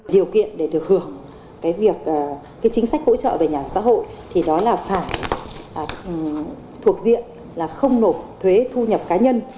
điều kiện để được hưởng chính sách hỗ trợ về nhà ở xã hội thì đó là phải thuộc diện là không nộp thuế thu nhập cá nhân